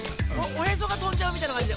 おへそがとんじゃうみたいなかんじで。